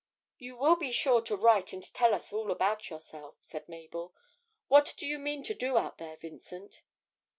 'You will be sure to write and tell us all about yourself,' said Mabel. 'What do you mean to do out there, Vincent?'